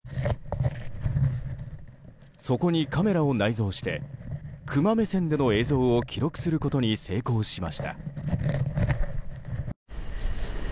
そこにカメラを内蔵してクマ目線での映像を記録することに成功しました。